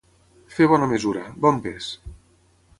Fer bona mesura, bon pes.